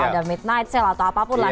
ada midnight sale atau apapun lah